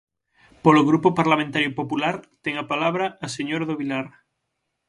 Polo Grupo Parlamentario Popular, ten a palabra a señora do Vilar.